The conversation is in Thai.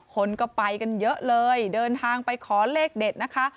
คนก็ไปกันเยอะเลยเดินทางไปขอเลขเด็ดนะคะ